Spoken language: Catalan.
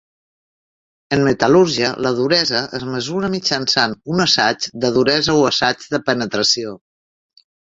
En metal·lúrgia, la duresa es mesura mitjançant un assaig de duresa o assaig de penetració.